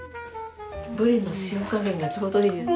ぶりの塩加減がちょうどいいです。